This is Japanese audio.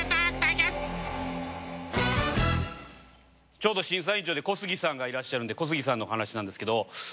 ちょうど審査委員長で小杉さんがいらっしゃるんで小杉さんの話なんですけど。